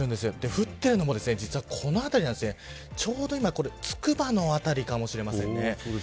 降ってるのも実は、この辺りがちょうどつくばの辺りかもしれませんね。